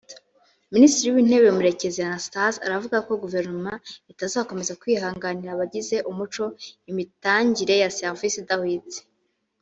Minisitiri w’Intebe Murekezi Anastase aravuga ko Guverinoma itazakomeza kwihanganira abagize umuco imitangire ya serivisi idahwitse